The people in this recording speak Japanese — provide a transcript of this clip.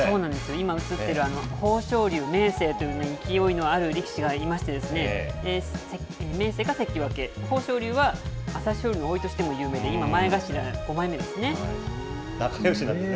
今、豊昇龍、明生という勢いのある力士がいまして、明生が関脇、豊昇龍は朝青龍のおいとしても有名で、今、仲よしなんですね。